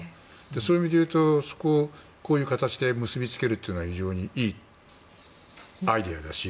そういう意味でいうとこういう形で結びつけるというのは非常にいいアイデアだし